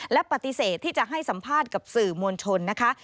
และปฏิเสธที่จะให้สัมภาษณ์กับสื่อมวลชนนะคะ